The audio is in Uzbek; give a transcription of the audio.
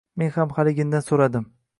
Men ham haligindan so‘radim.